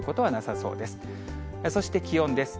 そして気温です。